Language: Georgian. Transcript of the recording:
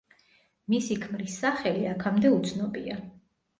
მისი ქმრის სახელი აქამდე უცნობია.